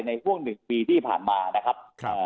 ในพวก๑ปีที่ผ่านมานะครับ